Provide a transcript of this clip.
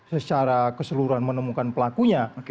secara keseluruhan menemukan pelakunya